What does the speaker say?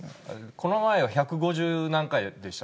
この前は１５０何回でした。